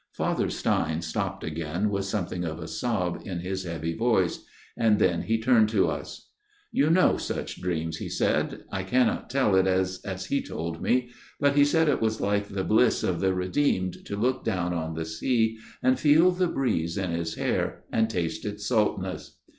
Father Stein stopped again, with something of a sob in his old heavy voice ; and then he turned to us. " You know such dreams," he said, " I cannot tell it as as he told me ; but he said it was like the bliss of the redeemed to look down on the sea FATHER STEIN'S TALE 259 and feel the breeze in his hair, and taste its salt ness.